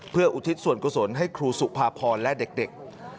เพื่ออุทิศสวรรค์ครูสนให้ครูสุภาพรและเด็ก